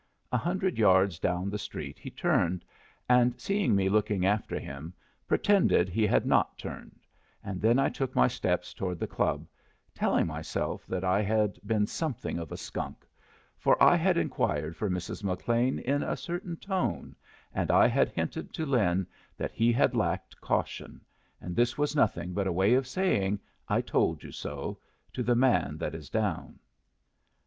A hundred yards down the street he turned, and seeing me looking after him, pretended he had not turned; and then I took my steps toward the club, telling myself that I had been something of a skunk; for I had inquired for Mrs. McLean in a certain tone, and I had hinted to Lin that he had lacked caution; and this was nothing but a way of saying "I told you so" to the man that is down.